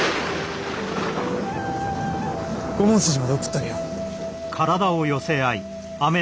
御門筋まで送ったげよう。